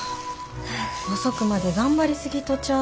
遅くまで頑張り過ぎとちゃう？